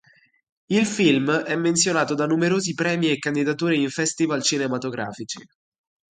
Il film è menzionato da numerosi premi e candidature in festival cinematografici.